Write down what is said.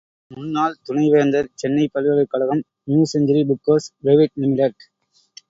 முன்னாள் துணைவேந்தர், சென்னைப் பல்கலைக் கழகம் New Century Book House Private limited.